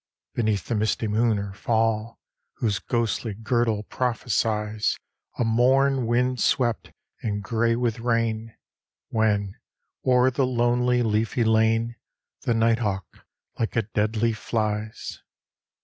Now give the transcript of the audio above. Beneath the misty moon of fall, Whose ghostly girdle prophesies A morn wind swept and gray with rain; When, o'er the lonely, leafy lane, The night hawk, like a dead leaf, flies!